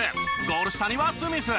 ゴール下にはスミス。